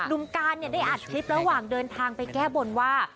หนุ่มการเนี่ยได้อัดคลิประหว่างเดินทางไปแก้บนว่า